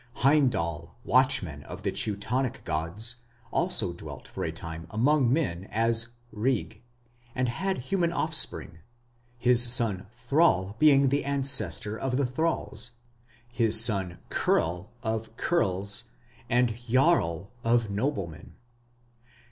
Heimdal, watchman of the Teutonic gods, also dwelt for a time among men as "Rig", and had human offspring, his son Thrall being the ancestor of the Thralls, his son Churl of churls, and Jarl of noblemen.